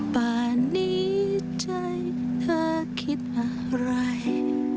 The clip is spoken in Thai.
ป่านนี้ใจเธอคิดอะไร